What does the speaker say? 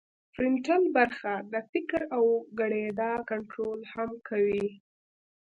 فرنټل برخه د فکر او ګړیدا کنترول هم کوي